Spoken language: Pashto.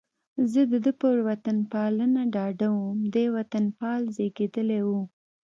زه د ده پر وطنپالنه ډاډه وم، دی وطنپال زېږېدلی و.